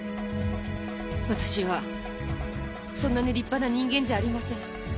私はそんなに立派な人間じゃありません。